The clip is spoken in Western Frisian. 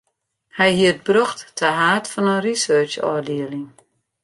Hy hie it brocht ta haad fan in researchôfdieling.